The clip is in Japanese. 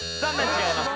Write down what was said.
違います。